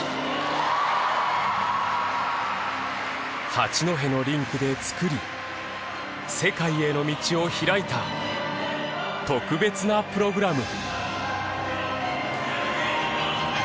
八戸のリンクで作り世界への道を開いた特別なプログラム。